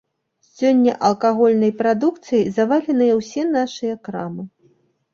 Сёння алкагольнай прадукцыяй заваленыя ўсе нашыя крамы.